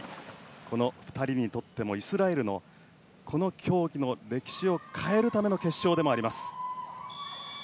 この２人にとってもイスラエルの、この競技の歴史を変えるための決勝でもあります。